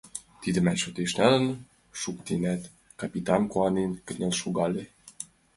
Тидымат шотыш налын шуктенат! — капитан куанен кынел шогале.